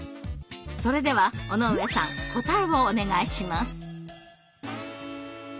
それでは尾上さん答えをお願いします。